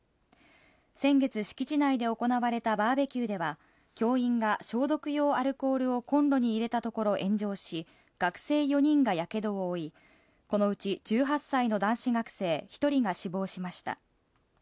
先月、敷地内で行われたバーベキューでは、教員が消毒用アルコールをコンロに入れたところ炎上し、学生４人がやけどを負い、このうち１８歳の男子学生１人が死亡しました。